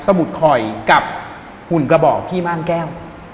มุดคอยกับหุ่นกระบอกพี่ม่านแก้ว